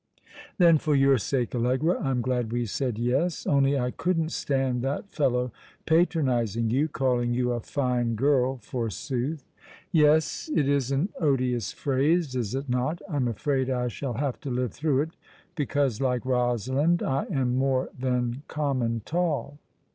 " Then for your sake, Allegra, I'm glad we said yes. Only I couldn't stand that fellow patronizing you. Calling you a fine girl, forsooth !"*' Yes, it is an odious phrase, is it not? I'm afraid I shall have to live through it, because, like Kosalind, ' I am more than common tall.'